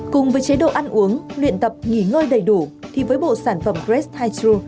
cùng với chế độ ăn uống luyện tập nghỉ ngơi đầy đủ thì với bộ sản phẩm grace hydro